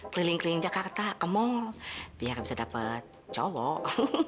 keliling keliling jakarta ke mall biar bisa dapet cowok